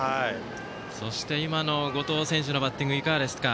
そして、今の後藤選手のバッティング、いかがですか。